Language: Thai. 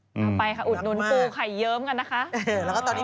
เอาไปค่ะบุนป่าเนื้อชายเยิมกันนะคะ